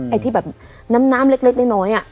ไอ้ที่แบบน้ำเล็กน้อย